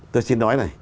tôi xin nói này